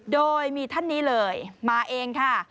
โดยมีท่านนี้เลยมาเองค่ะ